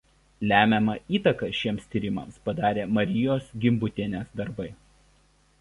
Lemiamą įtaką šiems tyrimams padarė Marijos Gimbutienės darbai.